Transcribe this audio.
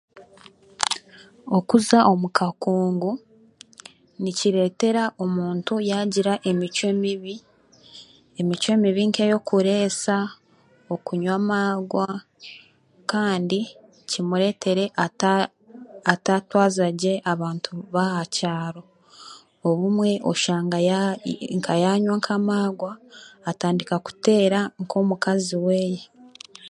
Okuza omu kakungu nikireetera omuntu yaagira emicwe mibi, emicwe mibi nk'ey'okureesa okunywa amaagwa kandi kimureetere ata atatwaza gye abantu baha kyaro obumwe oshanga ya nka yanywa nk'amarwa atandika kuteera omukazi weeye